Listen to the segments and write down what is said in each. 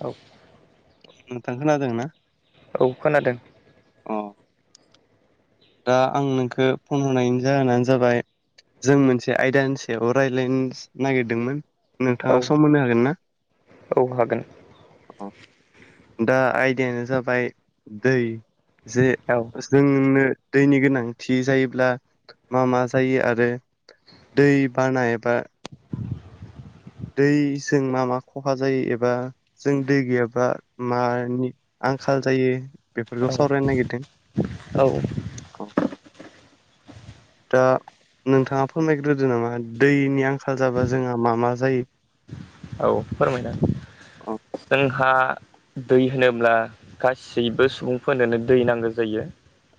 औ नोंथां खोनादों ना? औ खोनादों। अ दा आं नोंखो फन हरनायनि जाहोनानो जाबाय जों मोनसे आयदानि सायाव रायलायनो नागिरदोंमोन। औ नोंथाङा सम होनो हागोन ना? औ हागोन दा आयदायानो जाबाय दै जे औ जोंनो दैनि गोनांथि जायोब्ला मा मा जायो आरो दै बाना एबा दैजों मा मा खहा जायो एबा जों दै गैयाबा मानि आ आंखाल जायो बेफोरखौ औ सावरायनो औ नागिरदों। दा नोंथाङा फोरमायग्रोदो नामा दैनि आंखाल जाबा जोंहा मा मा जायो? औ फोरमायनो औ जों हा दै होनोब्ला गासैबो सुबुंफोरनोनो दै नांगो जायो।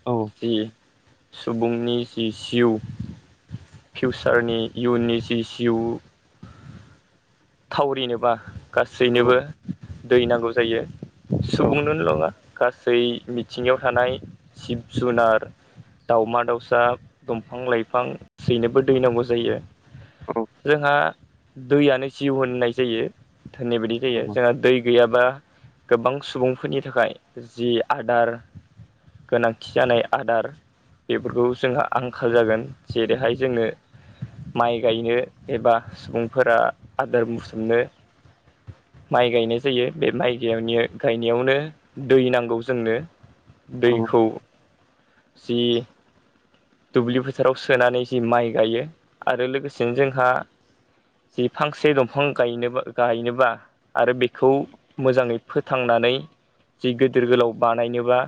औ जि सुबुंनि जि जिउ फिउसारनि इयुननि जि जिउ थावरिनोबा औ गासैनोबो दै नांगौ जायो औ सुबुंनोल' नङा गासै मिथिंगायाव थानाय जिब जुनार दावमा-दाउसा, दंफां-लाइफां बैनोबो दै नांगौ जायो। जोंहा दैयानो जिउ होननाय जायो। धोननि बायदि जायो जोंहा दै गैया बा गोबां सुबुंफोरनि थाखाय जि आदार गोनांथि जानाय आदार बेफोरखौ जोंहा आंखाल जागोन जेरैहाय जोंनो माइ गायनो एबा सुबुंफोरा आदार मुसोमनो माइ गायनाय जायो बे माइ [unintelligible] गायनायावनो दै नांगौ जोंनो औ दैखौ जि दुब्लि फोथाराव सोनानै जि माइ गायो आरो लोगोसेनो जोंहा जि फांसे दंफां गायनो गायनोबा आरो बिखौ मोजाङै फोथांना नानै जि गिदिर गोलाव बानायनोबा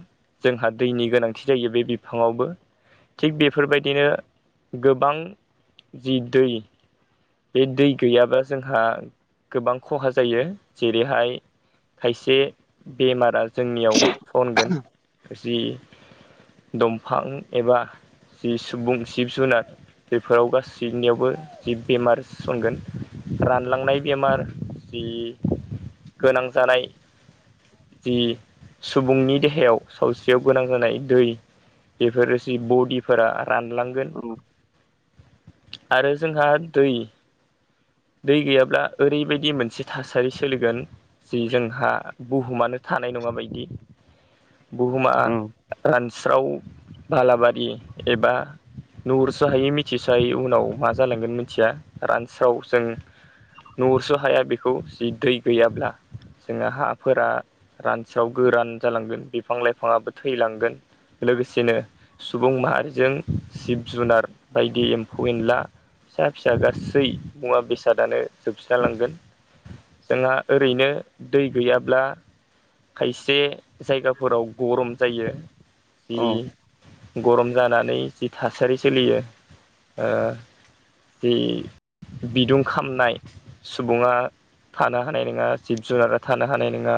जोंहा दैनि गोनांथि जायो बे बिफाङावबो थिग बेफोरबायदिनो गोबां जि दै बे दै गैयाब्ला जोंहा गोबां ख'हा जायो जेरैहाय खायसे बेमारा जोंनियाव सनगोन जि दंफां एबा जि सुबुं जिब जुनार बेफोराव गासैनियावबो जि बेमार संगोन रानलांनाय बेमार जि गोनां जानाय जि सुबुंनि देहायाव सावस्रियाव गोनां जानाय दै बेफोर एसे बरडिब फोरा रानलांगोन आरो जोंहा दै दै गैयाब्ला ओरैबायदि मोनसे थासारि सोलिगोन जि जोंहा बुहुमानो थानाय नङा बायदि बुहुमा रानस्राव बालाबारि एबा नुहुरसो हायै मिथिसो हायै उनाव मा जालांगोन मिथिया रानस्राव जों नुहरस' हाया बेखौ जि दै गैयाब्ला जोंहा हाफोरा रानसाव गो गोरान जालांगोन बिफां लाइफाङाबो थैलांगोन लोगोसेनो सुबुं माहारिजों जिब-जुनार बायदि एमफौ एनला फिसा फिसा गासै मुवा बेसादानो जोबस्रां लांगोन जोंहा ओरैनो दै गैयाब्ला खायसे जायगाफोराव गरम जायो औ जि गरम जानानै जि थासारि सोलियो ओ जि बिदुं खामनाय सुबुङा थानो हानाय नङा जिब जुनारा थानो हानाय नङा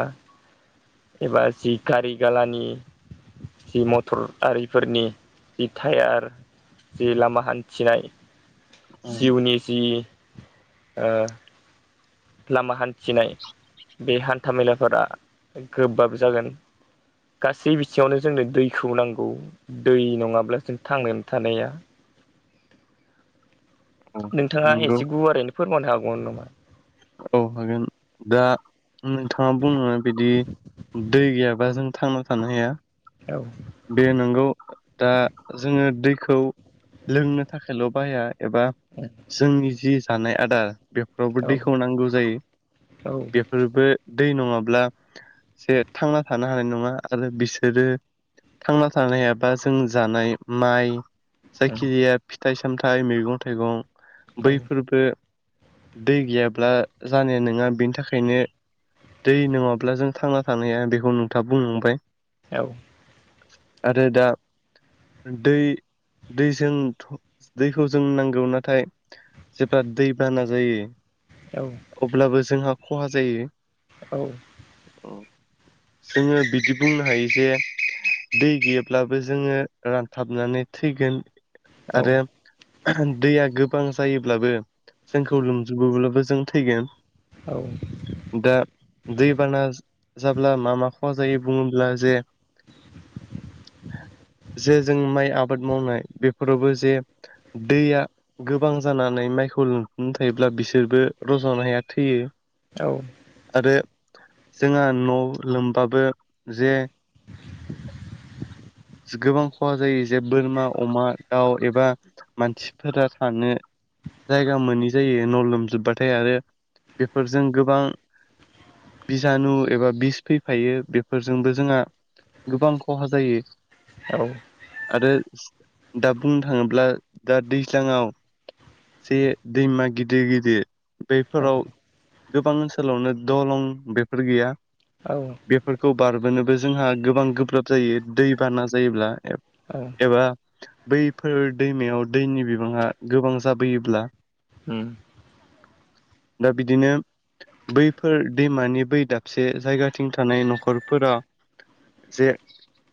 एबा जि कारिगालानि जि मटर आरिफोरनि जि टायार जि लामा हानथिनाय जिउनि जि ओ लामा हानथिनाय बे हानथा-मेलाफोरा गोबाब जागोन गासै बिथिङावनो जोंनो दैखौ नांगौ दै नङाब्ला जों थांनानै थानाया नोंथाङा नंगौ एसे गुवारैनो फोरमायनो हागौमोन नामा? औ हागोन दा नोंथाङा बुंनो बिदि दै गैयाबा जों थांना थानो हाया औ बे नंगौ दा जोङो दै खौ लोंनो थाखायल' बाहाया एबा जोंनि जि जानाय आदार बेफोरावबो औ दैखौ नांगौ जायो औ बेफोरबो दै नङाब्ला जे थांना थानो हानाय नङा आरो बिसोरो थांना थानो हायाबा जों जानाय माइ जायखिजाया फिथाइ सामथायाइ मैगं थाइगं औ बैफोरबो दै गैयाब्ला जानाया नङा बेनि थाखायनो दै नङाब्ला जों थांना थानो हाया बेखौ नोंथाङा बुंलांबाय औ आरो दा दै दैजों दैखौ जों नांगौ नाथाय जेब्ला दैबाना जायो औ अब्लाबो जोंहा ख'हा जायो औ। जोङो बिदि बुंनो हायो जे दै गैयाब्लाबो जोङो रानथाबनानै थैगोन। आरो दैया गोबां जायोब्लाबो जोंखौ लोमजोुबो [unintelligible] बो जों थैगोन औ। दा दैबाना जाब्ला मा मा ख'हा जायो बुङोब्ला जे [inaudible] जे जों माइ आबाद मावनाय बेफोरावबो जे दैया गोबां जानानै माइखौ। [unintelligible] थायोब्ला बिसोरबो रज'नो हाया थैयो आरो। जोंहा न' लोमबाबो जे गोबां खहा जायो जे बोरमा अमा दाउ एबा मानसिफोरा थानो। जायगा मोनि जायो न' लोमजोबबाथाय आरो बेफोरजों गोबां। बिजानु एबा बिस फैफायो बेफोरजोंबो जोंहा। गोबां खहा जायो आरो। दा बुंनो थाङोब्ला दा दैज्लाङाव। से दैमा गिदिर गिदिर। बेफोराव औ-औ-औ-औ-औ-औ-औ-औ-औ-औ-औ गोबां ओनसोलावनो दलं बेफोर गैया। बेफोरखौ बारबोनोबो जोंहा गोबां गोब्राब जायो दै बाना जायोब्ला एबा बैफोर दैमायाव दैनि बिबाङा गोबां जाबोयोब्ला। ओम। दा बिदिनो। बैफोर दैमानि बै दाबसे जायगाथिं थानाय न'खरफोरा जे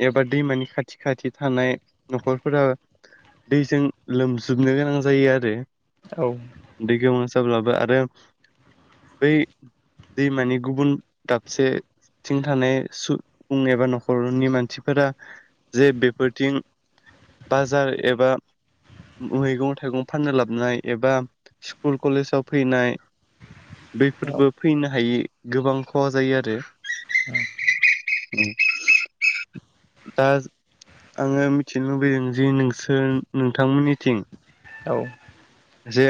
एबार दैमानि खाथि खाथि थानाय न'खरफोरा। दैजों लोमजोबनो गोनां जायो आरो दैखौ। जाब्लाबो आरो बै दैमानि गुबुन दाबसे। बेथिं थानाय फुं एबा न'खरनि मानसिफोरा। जे बेफोरथिं बाजार एबा मैगं थाइगं फाननो लाबनाय एबा स्कुल कलेजाव फैनाय। बेफोरबो फैनो हायि गोबां खहा जायो आरो औ। दा आङो मिथिनो लुबैदों जे नोंसोर नोंथांमोननिथिं औ। जे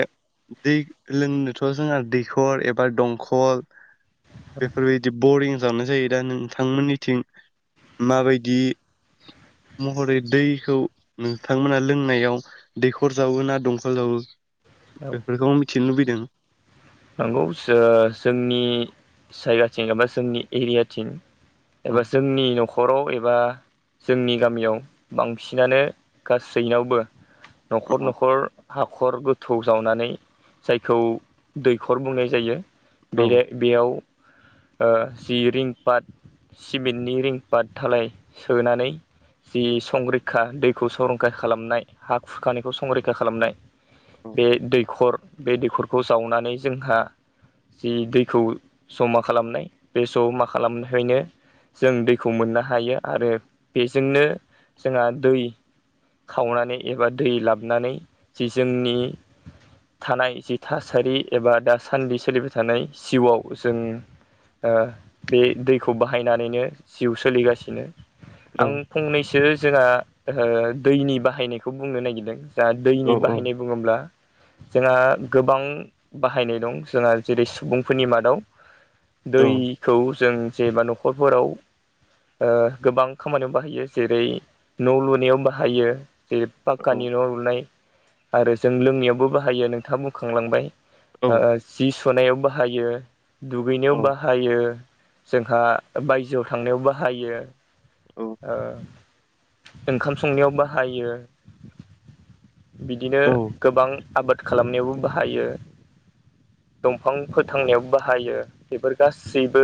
दै लोंनोथ' जोंहा दैखर एबा दंखल बेफोरबायदि बरिं जानाय जायो दा नोंथांमोननिथिं माबायदि। [inaudible] महरै दैखौ नोंथांमोना लोंनायाव दैखर जावो ना दंखाल जावो बेफोरखौ आ मिथिनो लुबैदों। नंगौ जोंनि जायगाथिं एबा जोंनि एरियाथिं औ एबा जोंनि न'खर नखराव एबा जोंनि गामियाव बांसिनानो गासैनावबो। न'खर औ न'खर हाखर गोथौ जावनानै जायखौ दैखर बुंनाय जायो बे औ बेयाव। जि रिं पाट सिमेन्टनि रिं पाट धालाय सोनानै। जि संरैखा दैखौ संरैखा खालामनाय हा खुरखानायखौ संरैखा खालामनाय। बे दैखर बे दैखरखौ जावनानै जोंहा जि दैखौ जमा। खालामनाय बे स' मा खालामहनो जों दैखौ मोननो हायो आरो बेजोंनो जोंहा दै। खावनानै एबा दै लाबानै जि जोंनि थानाय जि थासारि एबा दासान्दि सोलिबाय थानाय जिउआव जों बे दैखौ बाहायनानैनो जिउ सोलिगासिनो आं फंनैसो जोंहा दैनि बाहायनायखौ बुंनो नागिरदों जा औ दैनि औ बाहायनाय बुङोब्ला जोंहा गोबां बाहायनाय दं जोंहा जेरै सुबुंफोरनि मादाव औ दैखौ जों जेबा न'खरफोराव गोबां खामानियाव बाहायो जेरै न' लुनायाव बाहायो। जे औ पाक्कानि न' लुनाय आरो जों लोंनायावबो बाहायो नोंथाङा बुंखांलांबाय औ जि सुनायाव बाहायो दुगैनायाव औ बाहा यो जोंहा बायजोआव थांनायाव बाहायो। औ ओंखाम संनायाव बाहायो। बिदिनो औ गोबां आबाद खालामनायावबो बाहायो दंफां फोथांनायाव बाहायो बेफोर गासैबो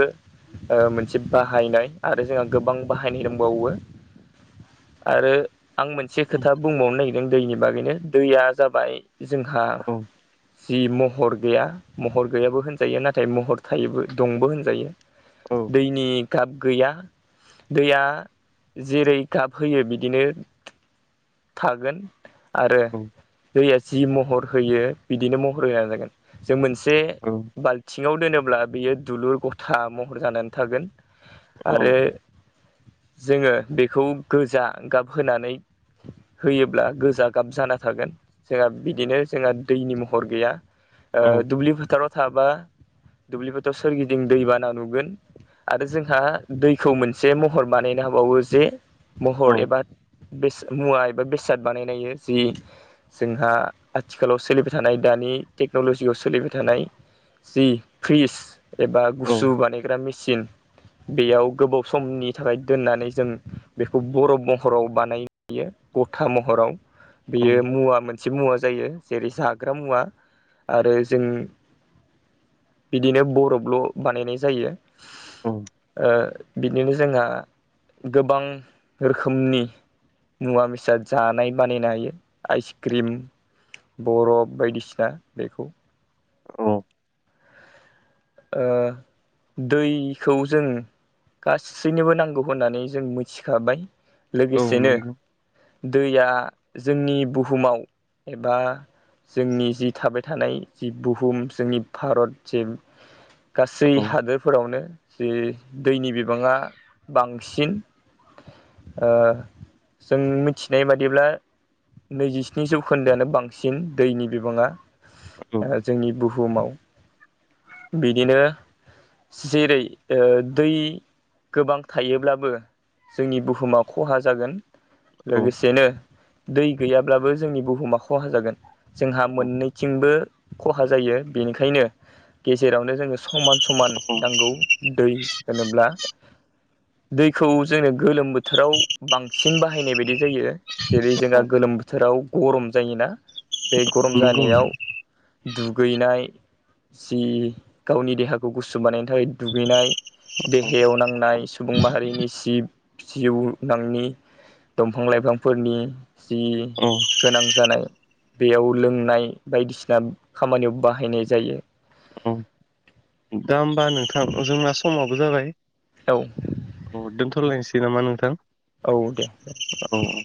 मोनसे बाहायनाय आरो जोंहा गोबां बाहायनाय दंबावो। [inaudible] आरो आं मोनसे खोथा बुंबावनो नागिरदों दैनि बागैनो दैया जाबाय जोंहा औ जि महर गैया महर गैयाबो होनजायो नाथाय महर थायोबो दंबो होनजायो। औ दैनि गाब गैया दैया जेरै गाब होयो बिदिनो थागोन। आरो औ दैया जि महर होयो बिदिनो महर होन जागोन जों मोनसे जे औ बाल्थिङाव दोनोब्ला बेयो दुलुर गथा महर जानानै थागोन। आरो जोङो बेखौ गोजा गाब होनानै होयोब्ला गोजा गाब जाना थागोन जोंहा बिदिनो जोंहा दैनि महर गैया। औ दुब्लि फोथाराव थाबा दुब्लि फोथाराव सोरगिदिं दैबाना नुगोन। आरो जोंहा दैखौ मोनसे महर बानायनो हाबावो जे औ महर एबा बे मुवा एबा बेसाद बानायनायो जि जोंहा आथिखालाव सोलिबाय थानाय दा नि टेक्न'ल'जियाव सोलिबाय थानाय जि फ्रिज एबा औ गुसु बानायग्रा मेचन बेयाव गोबाव समनि थाखाय दोननानै जों बेखौ बरफ बहराव बानायो। गथा महराव बेयो मुवा मोनसे मुवा जायो। जेरै जाग्रा मुवा आरो जों बिदिनो बरफ ल' बानायनाय जायो। बिदिनो जोंहा गोबां रोखोमनि मुवा बेसाद जानाय बानायनो हायो आइस क्रिम बरफ बायदिसिना बेखौ ओ दैखौ जों गासैनोबो नांगौ होननानै जों मिथिखाबाय लोगोसेनो दैया जोंनि बुहुमाव एबा जोंनि जि थाबाय थानाय जि बुहुम जोंनि भारत जे गासै हादोरफोरावनो जे दैनि बिबाङा बांसिन ओ जों मिथिनाय बादिब्ला नैजिस्नि जौखोन्दोआानो बांसिन दैनि बिबाङा जोंनि बुहुमाव बिदिनो जेरै दै गोबां थायोब्लाबो जोंनि बुहुमाव खहा जागोन। लोगोसेनो दै गैयाब्लाबो जोंनि बुहुमा खहा जागोन जोंहा मोननैथिंबो खहा जायो। बि बिनिखायनो गेजेरावनो जोङो समान समान नांगौ दै होनोब्ला। दैखौ जोंनो गोलोम बोथोराव बांसिन बाहायनाय बायदि जायो। जेरै जोंहा गोलोम बोथोराव गरम जायोना बे गरम नंगौ जानायाव दुगैनाय जि गावनि देहाखौ गुसु बानायनो थाखाय दुगैनाय औ देहायाव नांनाय सुबुं माहारिनि सि जिउनांनि दंफां लाइफांफोरनि जि औ गोनां जानाय बेयाव लोंनाय बायदिसिना खामानियाव बाहायनाय जायो। औ दा होमबा नोंथां जोंना समाबो जाबाय। औ अ दोनथ'लायसै नामा नोंथां? औ दे औ औ।